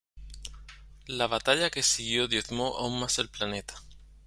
La batalla que siguió diezmó aún más el planeta.